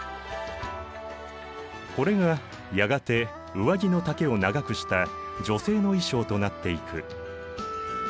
これがやがて上着の丈を長くした女性の衣装となっていく。